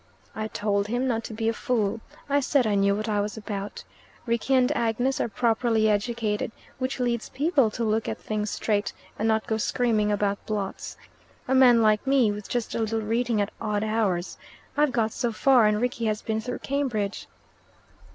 I told him not to be a fool. I said I knew what I was about. Rickie and Agnes are properly educated, which leads people to look at things straight, and not go screaming about blots. A man like me, with just a little reading at odd hours I've got so far, and Rickie has been through Cambridge."